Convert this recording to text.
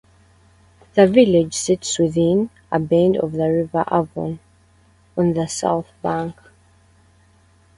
The village sits within a bend of the River Avon, on the south bank.